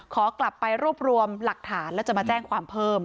ขอกลับไปรวบรวมหลักฐานแล้วจะมาแจ้งความเพิ่ม